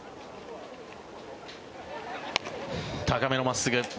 高めの真っすぐ。